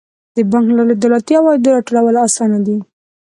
د بانک له لارې د دولتي عوایدو راټولول اسانه دي.